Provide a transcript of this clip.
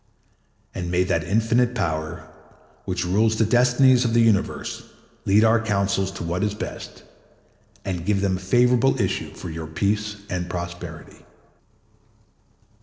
And may that Infinite Power which rules the destinies of the universe lead our councils to what is best, and give them a favorable issue for your peace and prosperity.